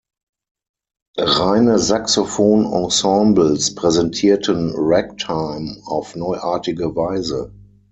Reine Saxophon-Ensembles präsentierten Ragtime auf neuartige Weise.